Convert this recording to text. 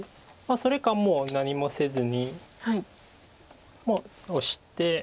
それかもう何もせずにもうオシて。